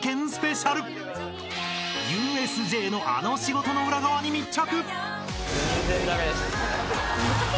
［ＵＳＪのあの仕事の裏側に密着］